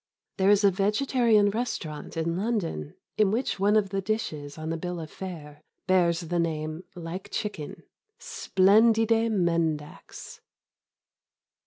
There is a vegetarian restaurant in London in which one of the dishes on the bill of fare bears the name "Like chicken." _Splendide mendax!